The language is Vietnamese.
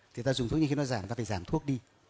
thì ta dùng thuốc như khi nó giảm ta phải giảm thuốc đi